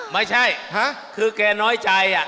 ไม่ใช่คือแกน้อยใจ